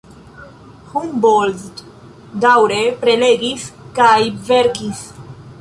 Humboldt daŭre prelegis kaj verkis.